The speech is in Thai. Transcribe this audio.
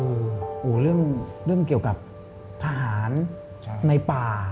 โอ้โหเรื่องเกี่ยวกับทหารในป่า